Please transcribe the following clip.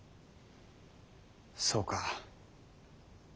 そうか。